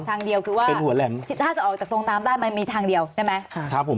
ทางเดียวคือว่าถ้าจะออกจากตรงน้ำได้มันมีทางเดียวใช่ไหม